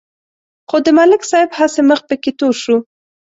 خو د ملک صاحب هسې مخ پکې تور شو.